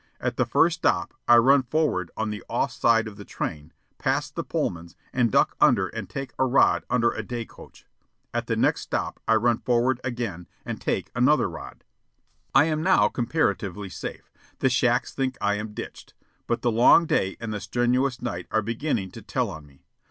At the first stop I run forward on the off side of the train, pass the Pullmans, and duck under and take a rod under a day coach. At the next stop I run forward again and take another rod. I am now comparatively safe. The shacks think I am ditched. But the long day and the strenuous night are beginning to tell on me.